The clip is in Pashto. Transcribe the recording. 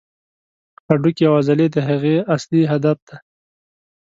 هډوکي او عضلې د هغې اصلي هدف دي.